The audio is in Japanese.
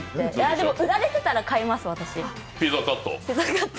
でも、売られてたら買いますピザカット。